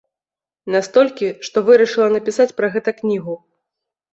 Настолькі, што вырашыла напісаць пра гэта кнігу.